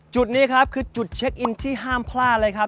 จุดนี้ครับคือจุดเช็คอินที่ห้ามพลาดเลยครับ